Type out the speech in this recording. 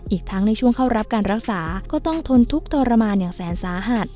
อีกทั้งในช่วงเข้ารับการรักษาก็ต้องทนทุกข์ทรมานอย่างแสนสาหัส